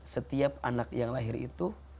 setiap anak yang lahir itu